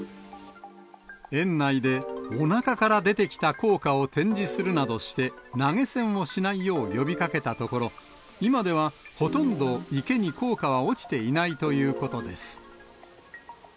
園内で、おなかから出てきた硬貨を展示するなどして、投げ銭をしないよう呼びかけたところ、今ではほとんど池に硬貨は落ちていないということです。